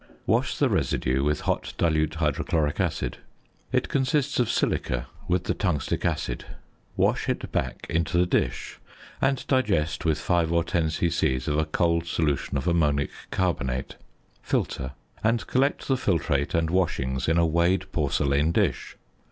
Wash the residue with hot dilute hydrochloric acid. It consists of silica with the tungstic acid. Wash it back into the dish; and digest with 5 or 10 c.c. of a cold solution of ammonic carbonate. Filter; and collect the filtrate and washings in a weighed porcelain dish.